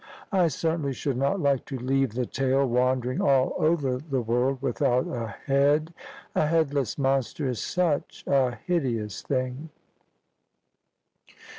I certainly should not like to leave the tale wandering all over the world without a head; a headless monster is such a hideous thing.